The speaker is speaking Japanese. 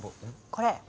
これ。